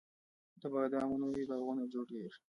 د بادامو نوي باغونه جوړیږي